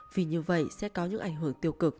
vì như vậy sẽ có những ảnh hưởng tiêu cực